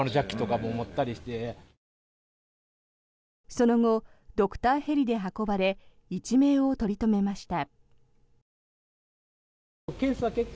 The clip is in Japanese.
その後、ドクターヘリで運ばれ一命を取り留めました。